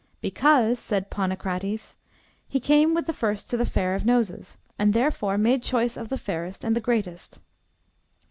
Because, said Ponocrates, he came with the first to the fair of noses, and therefore made choice of the fairest and the greatest.